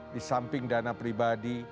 di samping dana pribadi